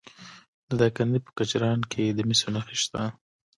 د دایکنډي په کجران کې د مسو نښې شته.